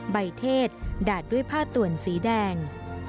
เทศดาดด้วยผ้าต่วนสีแดง